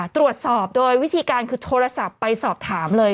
ตรวจสอบโดยวิธีการคือโทรศัพท์ไปสอบถามเลย